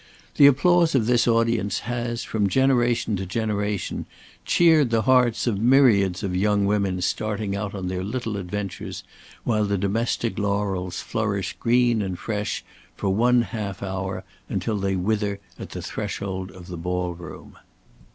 The applause of this audience has, from generation to generation, cheered the hearts of myriads of young women starting out on their little adventures, while the domestic laurels flourish green and fresh for one half hour, until they wither at the threshold of the ball room.